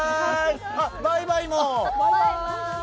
あっ、バイバイも。